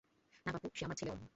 না পাপ্পু, সে আমার ছেলে ওম।